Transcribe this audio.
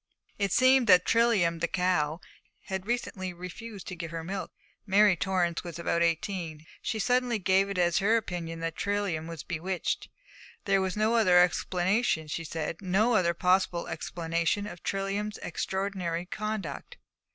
It seemed that Trilium, the cow, had recently refused to give her milk. Mary Torrance was about eighteen; she suddenly gave it as her opinion that Trilium was bewitched; there was no other explanation, she said, no other possible explanation of Trilium's extraordinary conduct.